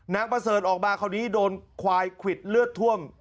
ประเสริฐออกมาคราวนี้โดนควายควิดเลือดท่วม